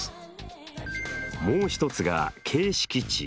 もう一つが形式知。